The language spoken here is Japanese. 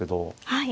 はい。